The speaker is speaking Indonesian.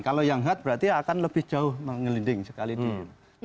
kalau yang hard berarti akan lebih jauh menggelinding sekali dia